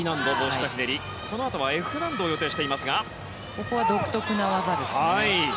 ここは独特な技です。